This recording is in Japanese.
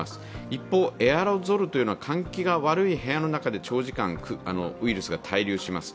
一方、エアロゾルというのは換気が悪い部屋の中で長時間、ウイルスが滞留します。